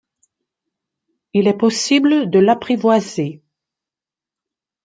Il est possible de l'apprivoiser.